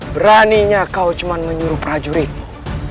beraninya kau cuma menyuruh prajuritmu